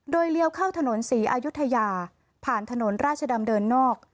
โดยเลี้ยวเข้าถนนศรีอายุทยาผ่านถนนราชดำเนินนอก